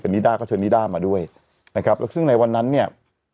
นิด้าก็เชิญนิด้ามาด้วยนะครับแล้วซึ่งในวันนั้นเนี่ย